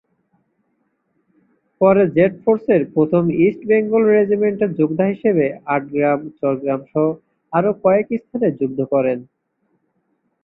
পরে জেড ফোর্সের প্রথম ইস্ট বেঙ্গল রেজিমেন্টের যোদ্ধা হিসেবে আটগ্রাম-চারগ্রামসহ আরও কয়েক স্থানে যুদ্ধ করেন।